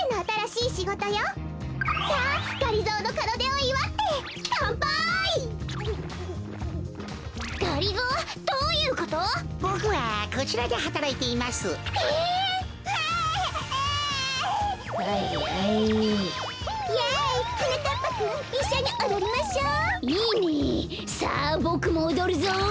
いいねさあボクもおどるぞ！